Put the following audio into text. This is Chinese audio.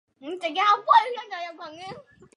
毛轴亚东杨为杨柳科杨属下的一个变种。